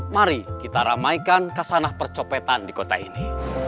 mari kita ramaikan kasanah percopetan di kota ini